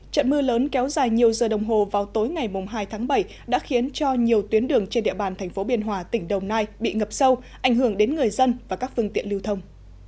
trận mưa lớn kéo dài nhiều giờ đồng hồ vào tối ngày hai tháng bảy đã khiến cho nhiều tuyến đường trên địa bàn thành phố biên hòa tỉnh đồng nai bị ngập sâu ảnh hưởng đến người dân và các phương tiện lưu thông